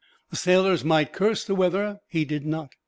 The sailors might curse the weather he did not.